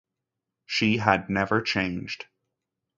She had never changed.